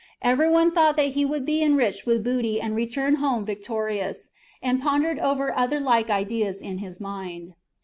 Everyone thought that he would be enriched with booty and return home victorious, and pondered over other like ideas in his mind.